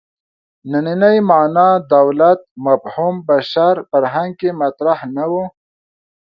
نننۍ معنا دولت مفهوم بشر فرهنګ کې مطرح نه و.